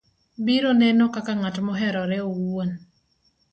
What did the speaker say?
biro neno kaka ng'at moherore owuon